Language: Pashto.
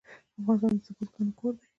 افغانستان د بزګان کوربه دی.